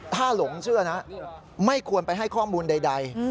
ถ้าหลงเชื่อนะไม่ควรไปให้ข้อมูลใด